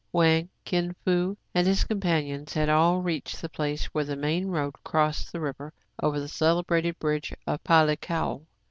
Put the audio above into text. Wang, Kin Fo, and his companions had all reached the place where the main road crossed the river over the celebrated bridge of Palikao.